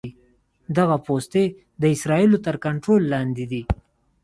دغه پوستې د اسرائیلو تر کنټرول لاندې دي.